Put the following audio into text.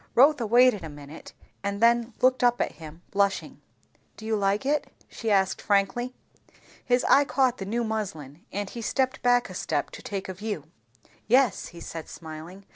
Rotha waited a minute, and then looked up at him, blushing. "Do you like it?" she asked frankly. His eye caught the new muslin, and he stepped back a step to take a view. "Yes," he said smiling.